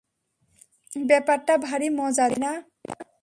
ব্যাপারটা ভারি মজাদার, তাই না?